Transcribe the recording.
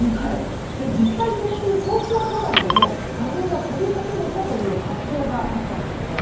実際、先週東京都内でも花粉が飛び始めたという発表があったんですね。